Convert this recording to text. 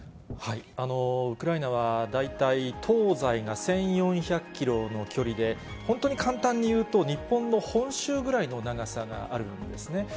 ウクライナは大体東西が１４００キロの距離で、本当に簡単に言うと、日本の本州ぐらいの長さがあるんですね。